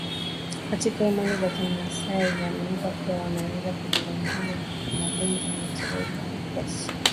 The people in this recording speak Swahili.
katika imani za kimaasai inaaminika kuwa wanaweza kugundua magonjwa na sababu za mikosi